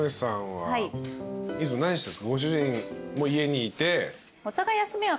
ご主人も家にいて。